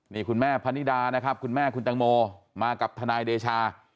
นี่คุณแม่พนิดานะครับคุณแม่คุณตังโมมากับทนายเดชา